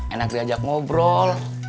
enak diajak ngobrol